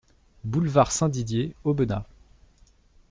Boulevard Saint-Didier, Aubenas